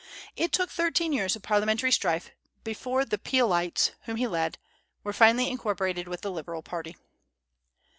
It took thirteen years of parliamentary strife before the Peelites, whom he led, were finally incorporated with the Liberal party.